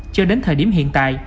cho đến thời điểm hiện tại